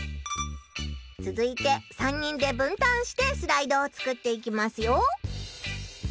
つづいて３人でぶんたんしてスライドを作っていきますよ！